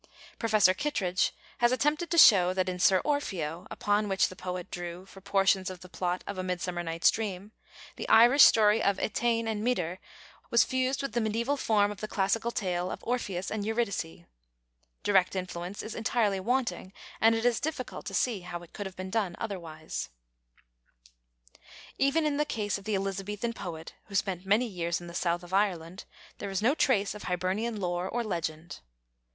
Professor Kittredge has attempted to show that in Syr Orfeo, upon which the poet drew for portions of the plot of A Midsummer Night's Dream, the Irish story of Etain and Mider was fused with the medieval form of the classical tale of Orpheus and Eurydice. Direct influence is entirely wanting, and it is difficult to see how it could have been otherwise. Even in the case of the Elizabethan poet who spent many years in the south of Ireland, there is no trace of Hibernian lore or legend.